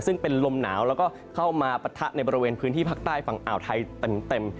ซึ่งเป็นลมหนาวแล้วก็เข้ามาปะทะในบริเวณพื้นที่ภาคใต้ฝั่งอ่าวไทยเต็ม